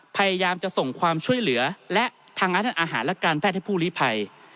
พยายามจะส่งความช่วยเหลือและทางร้านอาหารและการแพทย์ให้ผู้ลิภัย